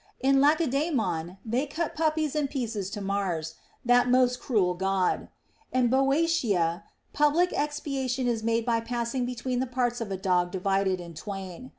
In Lacedaemon they cut puppies in pieces to Mars, that THE ROMAN QUESTIONS. 263 most cruel God. In Boeotia public expiation is made by passing between the parts of a dog divided in twain.